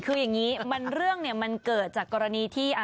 คืออย่างนี้เรื่องเนี่ยมันเกิดจากกรณีที่